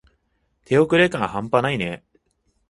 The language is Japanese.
手遅れ感はんぱないね。